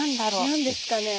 何ですかね？